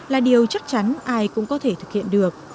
là điều chắc chắn ai cũng có thể thực hiện được